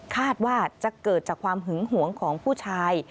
คาดว่าจะเกิดจากความหึงหวงของผู้ชาย